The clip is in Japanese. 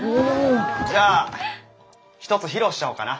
じゃあ一つ披露しちゃおうかな。